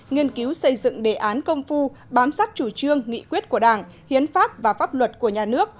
nghiên cứu xây dựng đề án công phu bám sát chủ trương nghị quyết của đảng hiến pháp và pháp luật của nhà nước